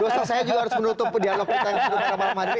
dosa saya juga harus menutup dialog kita yang sudah kemarin